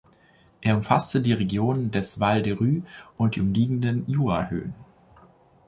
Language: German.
Er umfasste die Region des Val de Ruz und die umliegenden Jurahöhen.